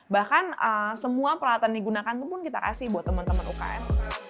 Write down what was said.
bahkan semua peralatan yang digunakan itu pun kita kasih buat temen temen ukm